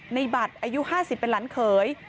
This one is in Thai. ในบัตรอายุ๕๐เป็นหลานเขย